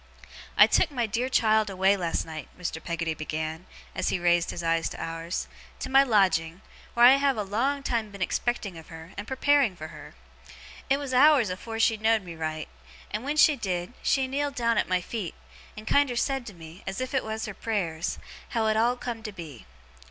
'I took my dear child away last night,' Mr. Peggotty began, as he raised his eyes to ours, 'to my lodging, wheer I have a long time been expecting of her and preparing fur her. It was hours afore she knowed me right; and when she did, she kneeled down at my feet, and kiender said to me, as if it was her prayers, how it all come to be.